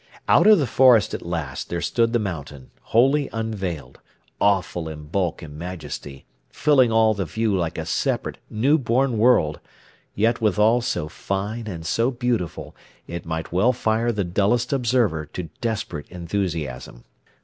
Out of the forest at last there stood the mountain, wholly unveiled, awful in bulk and majesty, filling all the view like a separate, new born world, yet withal so fine and so beautiful it might well fire the dullest observer to desperate enthusiasm.